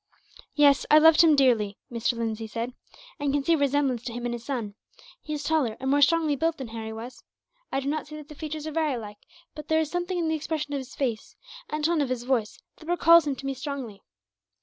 "Yes, I loved him dearly," Mr. Lindsay said, "and can see a resemblance to him in his son. He is taller and more strongly built than Harry was. I do not say that the features are very like, but there is something in the expression of his face, and tone of his voice, that recalls him to me strongly.